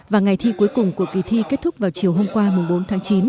và ngày thi cuối cùng của kỳ thi kết thúc vào chiều hôm qua bốn tháng chín